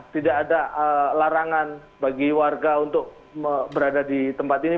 tidak ada larangan bagi warga untuk berada di tempat ini